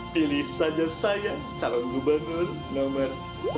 pilih saja saya calon gubernur nomor dua